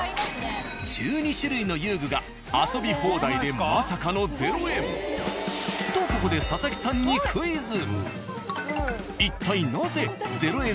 １２種類の遊具が遊び放題でまさかの０円。とここで佐々木さんにクイズ。